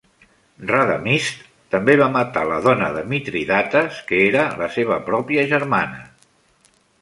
Radamist també va matar la dona de Mitridates, que era la seva pròpia germana.